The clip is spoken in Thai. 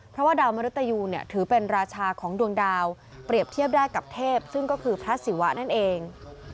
เพราะว่าดาวมรุตยูเนี่ยถือเป็นราชาของดวงดาวเปรียบเทียบได้กับเทพซึ่งก็คือพระศิวะนั่นเอง